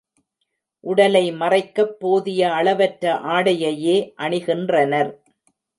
உடலை மறைக்கப் போதிய அளவற்ற ஆடையையே அணிகின்றனர்.